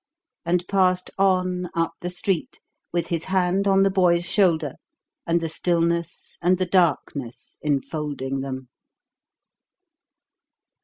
And passed on, up the street, with his hand on the boy's shoulder and the stillness and the darkness enfolding them.